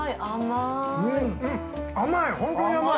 ◆甘い。